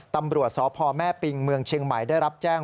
ตำรวจสพแม่ปิงเมืองเชียงใหม่ได้รับแจ้ง